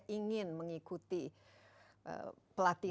kalau dia ingin mengikuti pelatihan ini